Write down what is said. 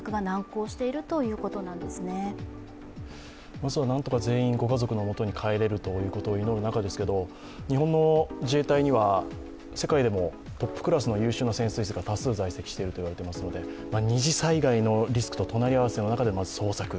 まずはなんとか全員、ご家族のもとに帰れるということを祈るばかりですが日本の自衛隊には世界でもトップクラスの優秀な潜水士が多数在籍しているといわれていますので二次災害のリスクと隣り合わせの中でのまず捜索。